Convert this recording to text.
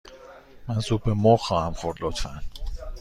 من سوپ مرغ خواهم خورد، لطفاً.